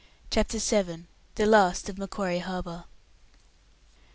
CHAPTER VII. THE LAST OF MACQUARIE HARBOUR.